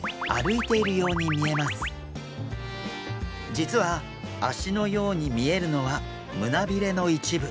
実は足のように見えるのは胸びれの一部。